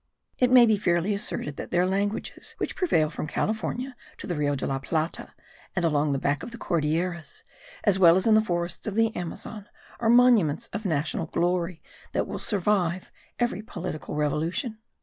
It may be fairly asserted that their languages, which prevail from California to the Rio de la Plata and along the back of the Cordilleras, as well as in the forests of the Amazon, are monuments of national glory that will survive every political revolution.